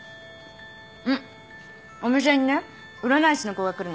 んっお店にね占い師の子が来るの。